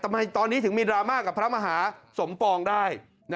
ทำไมตอนนี้ถึงมีดราม่ากับพระมหาสมปองได้